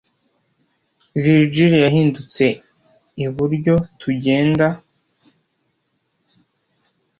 Virgil yahindutse iburyo tugenda